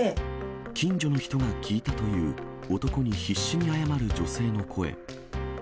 近所の人が聞いたという、男に必死に謝る女性の声。